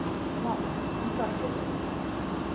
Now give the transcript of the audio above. Labi, un tad ej.